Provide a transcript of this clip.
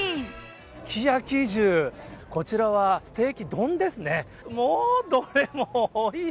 すき焼き重、こちらはステーキ丼ですね。